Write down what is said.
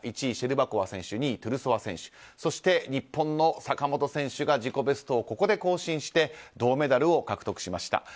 １位、シェルバコワ選手２位、トゥルソワ選手そして日本の坂本選手が自己ベストをここで更新して銅メダルを獲得しました。